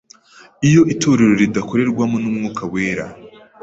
iyo itorero ridakorerwamo n’Umwuka wera.